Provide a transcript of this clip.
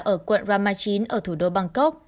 ở quận rama chín ở thủ đô bangkok